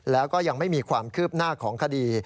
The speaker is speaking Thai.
แล้วก็ยังไม่มีความคืบหน้าของคดี